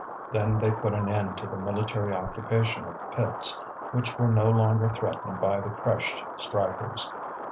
Then they put an end to the military occupation of the pits, which were no longer threatened by the crushed strikers.